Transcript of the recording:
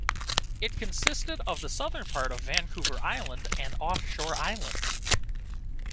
It consisted of the southern part of Vancouver Island and off-shore islands.